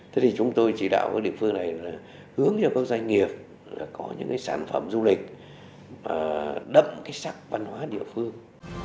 thế thì chúng tôi chỉ đạo các địa phương này là hướng cho các doanh nghiệp là có những cái sản phẩm du lịch đậm cái sắc văn hóa địa phương